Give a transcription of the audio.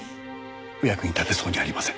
お役に立てそうにありません。